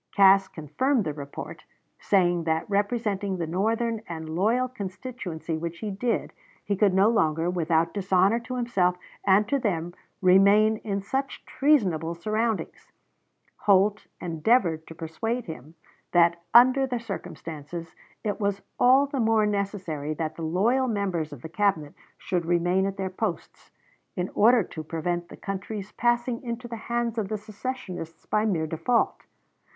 Cass confirmed the report, saying that representing the Northern and loyal constituency which he did, he could no longer without dishonor to himself and to them remain in such treasonable surroundings. Holt endeavored to persuade him that under the circumstances it was all the more necessary that the loyal members of the Cabinet should remain at their posts, in order to prevent the country's passing into the hands of the secessionists by mere default.